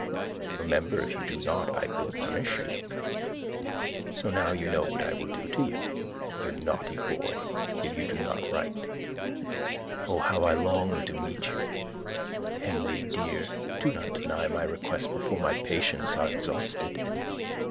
Remember if you do not I will punish you. So now you know what I will do to you, you naughty boy, if you do not wrote. O how I long to meet you. Henry dear, do not deny my request before my patience are exhausted.